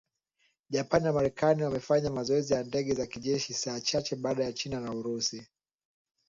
Japan na Marekani wamefanya mazoezi ya ndege za kijeshi saa chache baada ya China na Urusi.